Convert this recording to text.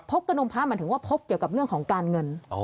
กระนมพระหมายถึงว่าพบเกี่ยวกับเรื่องของการเงิน